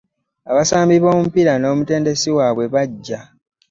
Abasambi bomupiira n'o mutendensi wabwe bajja.